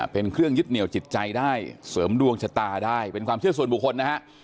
เป็นเครื่องยึดเหนียวจิตใจได้เสริมดวงชะตาได้เป็นความเชื่อส่วนบุคคลนะฮะ